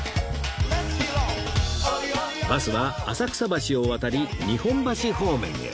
バスは浅草橋を渡り日本橋方面へ